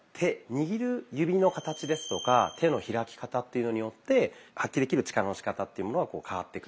握る指の形ですとか手の開き方っていうのによって発揮できる力のしかたっていうものは変わってくる。